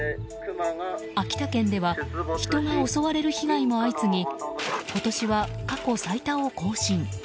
秋田県では人が襲われる被害も相次ぎ今年は過去最多を更新。